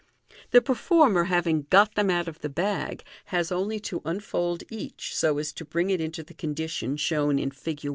The peiformer having got them out of the bag, has only to unfold each, so as to bring it into the condition shown in Fig.